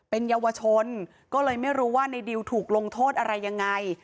เป็นเยาวชนก็เลยไม่รู้ว่าในดิวถูกลงโทษอะไรยังไง